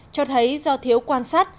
cho thấy do thiếu quan sát